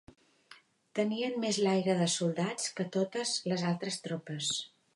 Tenien més l'aire de soldats que totes les altres tropes